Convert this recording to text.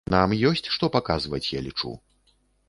Нам ёсць што паказваць, я лічу.